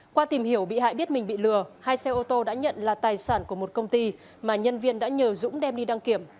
qua tìm hiểu bị hại biết mình bị lừa hai xe ô tô đã nhận là tài sản của một công ty mà nhân viên đã nhờ dũng đem đi đăng kiểm